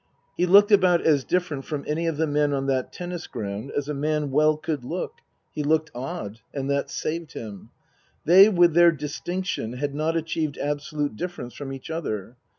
He looked about as different from any of the men on that tennis ground as a man well could look. He looked odd ; and that saved him. They with their distinction had not achieved absolute difference from each other.